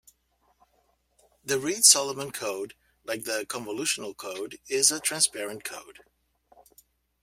The Reed-Solomon code, like the convolutional code, is a transparent code.